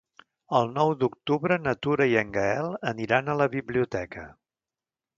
El nou d'octubre na Tura i en Gaël aniran a la biblioteca.